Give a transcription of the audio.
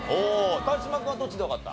川島君はどっちでわかった？